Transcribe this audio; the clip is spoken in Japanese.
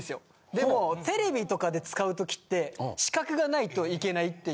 でもテレビとかで使うときって資格がないといけないっていう。